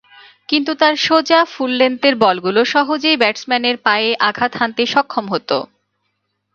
কিন্তু তার সোজা, ফুল-লেন্থের বলগুলো সহজেই ব্যাটসম্যানের পায়ে আঘাত হানতে সক্ষম হতো।